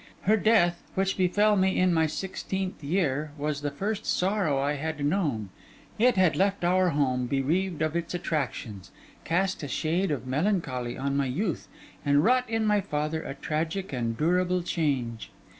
Her death, which befell me in my sixteenth year, was the first sorrow I had known: it left our home bereaved of its attractions, cast a shade of melancholy on my youth, and wrought in my father a tragic and durable change.